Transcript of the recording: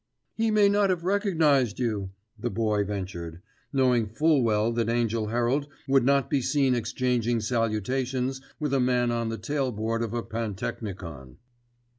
"He may not have recognised you," the Boy ventured, knowing full well that Angell Herald would not be seen exchanging salutations with a man on the tail board of a pantechnicon.